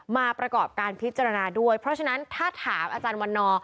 มาประกอบการพิจารณาด้วยเพราะฉะนั้นถ้าถามอาจารย์วันนอร์